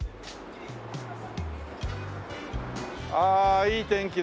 ああいい天気だ。